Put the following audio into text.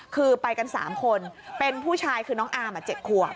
คือไปกัน๓คนเป็นผู้ชายคือน้องอาร์ม๗ขวบ